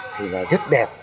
thì là rất đẹp